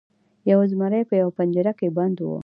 یو زمری په یوه پنجره کې بند و.